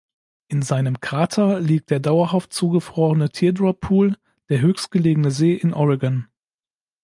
In seinem Krater liegt der dauerhaft zugefrorene Teardrop Pool, der höchstgelegene See in Oregon.